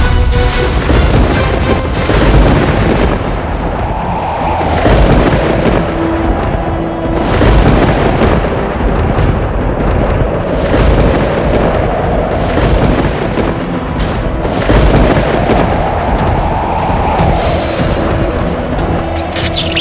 aku akan menangkapmu